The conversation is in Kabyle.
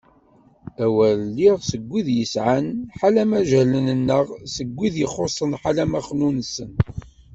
A wer iliɣ seg wid yesɛan ḥalama jehlen neɣ seg wid ixuṣṣen ḥalama xnunesen.